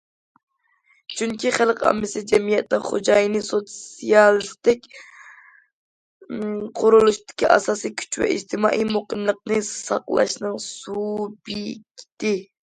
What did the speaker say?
چۈنكى، خەلق ئاممىسى جەمئىيەتنىڭ خوجايىنى، سوتسىيالىستىك قۇرۇلۇشتىكى ئاساسىي كۈچ ۋە ئىجتىمائىي مۇقىملىقنى ساقلاشنىڭ سۇبيېكتى.